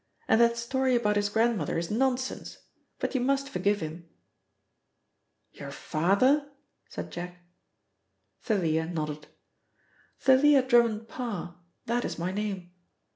And that story about his grandmother is nonsense, but you must forgive him." "Your father?" said Jack. Thalia nodded. "Thalia Drummond Parr, that is my name.